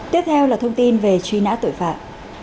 tiếp theo là thông tin về truy nã tội phạm